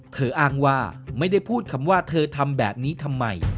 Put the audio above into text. อ้างว่าไม่ได้พูดคำว่าเธอทำแบบนี้ทำไม